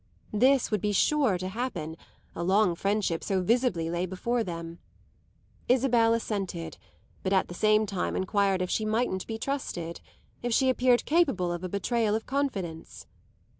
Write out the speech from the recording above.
This would be sure to happen, a long friendship so visibly lay before them. Isabel assented, but at the same time enquired if she mightn't be trusted if she appeared capable of a betrayal of confidence.